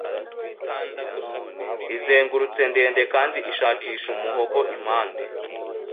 izengurutse ndende Kandi ishakisha umuhogo impande